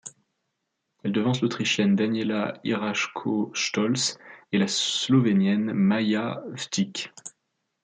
Elle devance l'autrichienne Daniela Iraschko-Stolz et la slovénienne Maja Vtic.